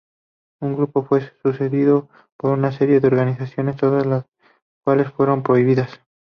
El grupo fue sucedido por una serie de organizaciones, todas las cuales fueron prohibidas.